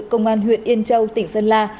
công an huyện yên châu tỉnh sơn la